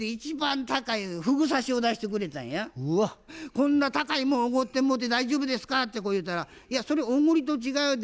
「こんな高いもんおごってもうて大丈夫ですか？」ってこう言うたら「いやおごりと違うで。